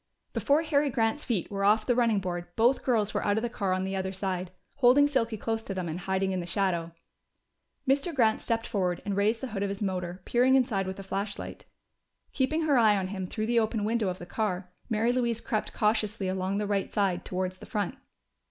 Before Harry Grant's feet were off the running board both girls were out of the car on the other side, holding Silky close to them and hiding in the shadow. Mr. Grant stepped forward and raised the hood of his motor, peering inside with a flashlight. Keeping her eye on him through the open window of the car, Mary Louise crept cautiously along the right side towards the front.